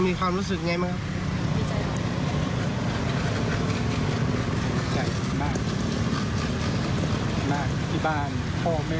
มีความรู้สึกไงบ้างครับ